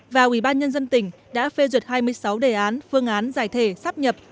và ủy ban nhân dân tỉnh đã phê duyệt hai mươi sáu đề án phương án giải thể sắp nhập